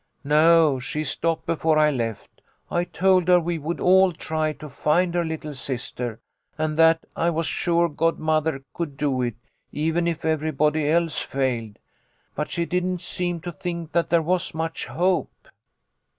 "No, she stopped before I left. I told her we would all try to find her little sister, and that I was sure godmother could do it, even if everybody else failed. But she didn't seem to think that there was much hope."